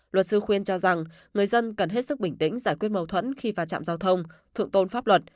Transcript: luật sư khuyên cho rằng người dân cần hết sức bình tĩnh giải quyết mâu thuẫn khi va chạm giao thông thượng tôn pháp luật